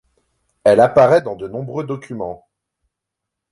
Elle apparaît dans de nombreux documents.